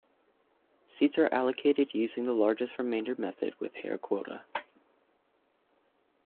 Seats are allocated using the largest remainder method with Hare quota.